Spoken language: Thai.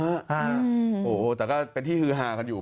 อ๋อเหรอแต่ก็เป็นที่ฮือหากันอยู่